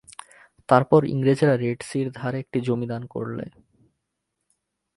তারপর ইংরেজরা রেড-সীর ধারে একটি জমি দান করলে।